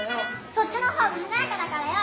そっちの方がはなやかだからよ！